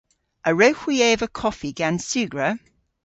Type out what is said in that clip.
A wrewgh hwi eva koffi gans sugra?